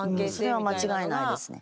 それは間違いないですね。